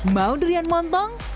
mau durian montong